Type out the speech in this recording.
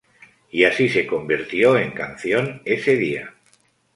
Y así se convirtió en canción ese día.